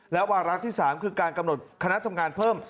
และวาระที่๓คือการกำหนดคณะทำงานเพิ่ม